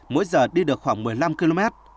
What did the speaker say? mỗi giờ đi được khoảng một mươi năm km